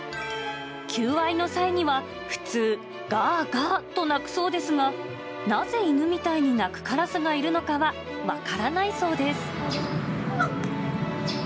求愛の際には、普通、がぁがぁと鳴くそうですが、なぜ、犬みたいに鳴くカラスがいるのかは分からないそうです。